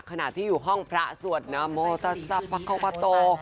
ขณะที่อยู่ห้องพระสวรรค์นามโมทศัพท์ภาคโปรตัว